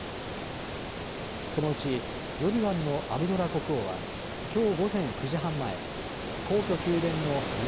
このうちヨルダンのアブドラ国王はきょう午前９時半前、皇居・宮殿の南